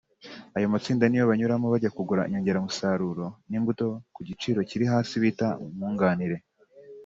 Ayo matsinda ni yo banyuramo bajya kugura inyongeramusaruro n’imbuto ku giciro kiri hasi bita “Nkunganire”